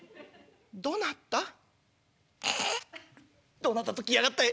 『どなた？』と来やがったい。